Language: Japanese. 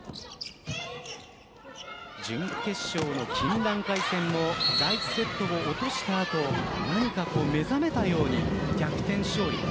準決勝の金蘭会戦も第１セットを落とした後何か目覚めたように逆転勝利。